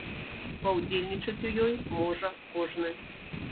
Паўдзельнічаць у ёй можа кожны.